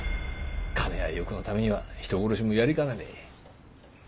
金や欲のためには人殺しもやりかねねえ。